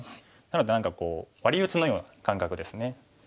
なので何かこうワリ打ちのような感覚ですね。